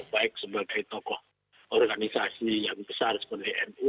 baik sebagai tokoh organisasi yang besar seperti nu